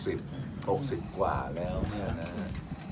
แต่ถ้าเรามีการดูแลเรื่อย